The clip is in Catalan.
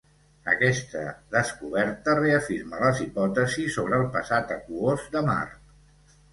Aquesta descoberta reafirma les hipòtesis sobre el passat aquós de Mart.